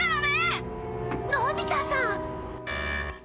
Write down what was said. のび太さん！